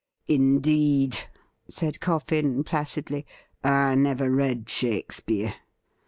' Indeed,' said Coffin placidly ;' I never read Shake speare.